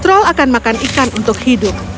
troll akan makan ikan untuk hidup